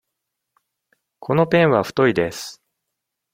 このペンは太いです。